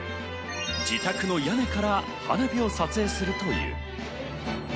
自宅の屋根から花火を撮影するという。